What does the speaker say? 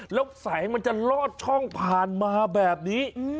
แล้วแสงมันจะลอดช่องผ่านมาแบบนี้